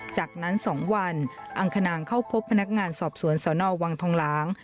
จากนั้น๒วันอังคณางเข้าพบพนักงานสอบสวนสนวังทองหลาง